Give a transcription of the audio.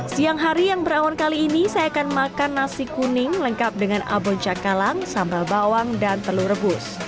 siang hari yang berawan kali ini saya akan makan nasi kuning lengkap dengan abon cakalang sambal bawang dan telur rebus